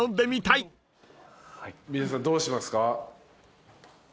皆さんどうしますか？